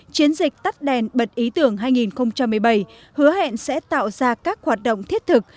chiến dịch tắt đèn bật ý tưởng hai nghìn một mươi bảy hứa hẹn sẽ tạo ra các hoạt động thiết thực